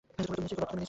তুমি নিশ্চই ক্ষুধার্ত।